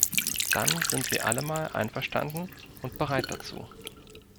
Dann sind wir allemal einverstanden und bereit dazu.